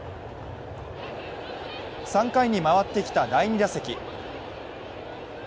３回に回ってきた第２打席。